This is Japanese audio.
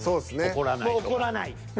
怒らない。